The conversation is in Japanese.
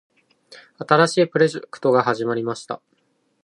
新しいプロジェクトが始まりました。